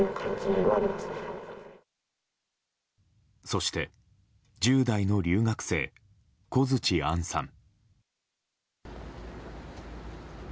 そして、１０代の留学生小槌杏さん。